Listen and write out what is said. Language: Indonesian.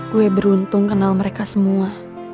gue beruntung kenal mereka semua